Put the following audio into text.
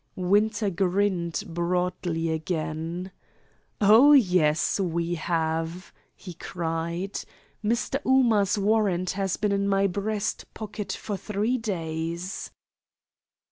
Winter grinned broadly again. "Oh yes, we have," he cried. "Mr. Ooma's warrant has been in my breast pocket for three days."